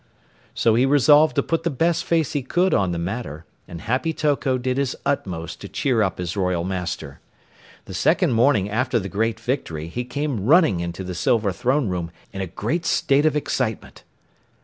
So he resolved to put the best face he could on the matter, and Happy Toko did his utmost to cheer up his royal master. The second morning after the great victory, he came running into the silver throne room in a great state of excitement.